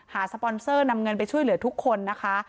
สปอนเซอร์นำเงินไปช่วยเหลือทุกคนนะคะ